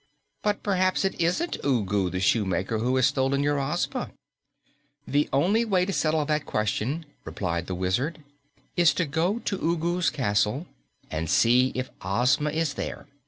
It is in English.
But perhaps it isn't Ugu the Shoemaker who has stolen your Ozma." "The only way to settle that question," replied the Wizard, "is to go to Ugu's castle and see if Ozma is there.